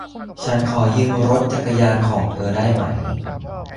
ฉันขอยืมรถจักรยานของเธอได้ไหม